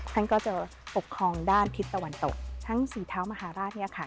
ท่านก็จะปกครองด้านทิศตะวันตกทั้งสีเท้ามหาราชเนี่ยค่ะ